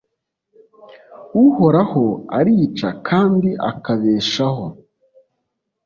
uhoraho arica kandi akabeshaho